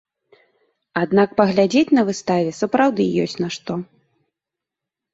Аднак паглядзець на выставе сапраўды ёсць на што.